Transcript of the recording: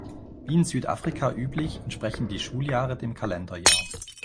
Wie in Südafrika üblich entsprechen die Schuljahre dem Kalenderjahr.